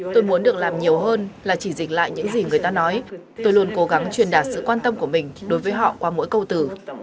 tôi muốn được làm nhiều hơn là chỉ dịch lại những gì người ta nói tôi luôn cố gắng truyền đạt sự quan tâm của mình đối với họ qua mỗi câu từ